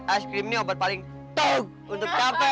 es krim ini obat paling tog untuk capek